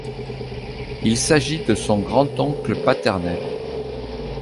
Il s'agit de son grand-oncle paternel.